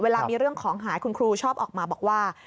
เรื่องของหายคุณครูชอบออกมาบอกว่า